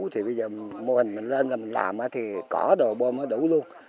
thì bây giờ mô hình mình lên làm thì cỏ đồ bơm đủ luôn